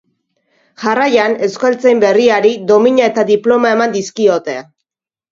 Jarraian, euskaltzain berriari domina eta diploma eman dizkiote.